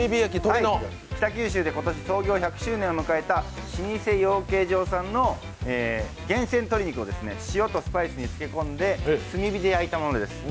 北九州市で今年創業１００周年を迎えた老舗養鶏所さんの厳選鶏肉を塩とスパイスでつけ込んで炭火で焼いたものです。